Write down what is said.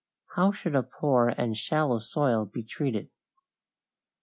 How should a poor and shallow soil be treated?